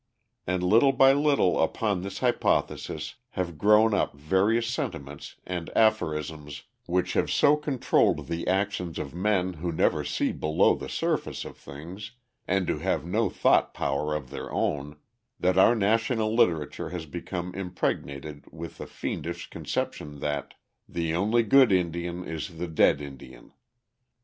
And little by little upon this hypothesis have grown up various sentiments and aphorisms which have so controlled the actions of men who never see below the surface of things, and who have no thought power of their own, that our national literature has become impregnated with the fiendish conception that "the only good Indian is the dead Indian."